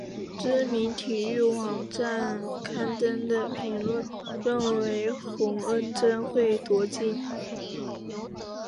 知名体育网站刊登的评论认为洪恩贞会夺金。